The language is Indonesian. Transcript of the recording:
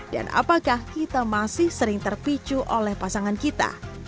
dan apakah kita masih sering terpicu oleh pasangan kita